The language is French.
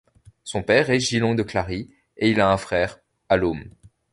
Son père est Gilon de Clari et il a un frère, Alleaume.